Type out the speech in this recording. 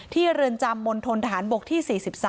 ที่เรือนจำมณฑนฐานบกที่๔๓